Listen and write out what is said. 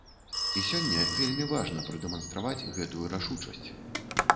І сёння вельмі важна прадэманстраваць гэтую рашучасць.